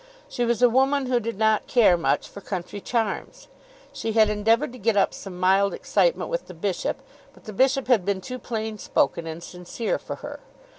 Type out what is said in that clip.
She was a woman who did not care much for country charms. She had endeavoured to get up some mild excitement with the bishop, but the bishop had been too plain spoken and sincere for her.